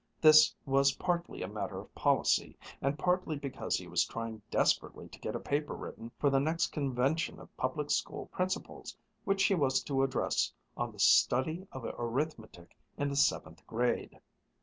This was partly a matter of policy, and partly because he was trying desperately to get a paper written for the next Convention of Public School Principals, which he was to address on the "Study of Arithmetic in the Seventh Grade."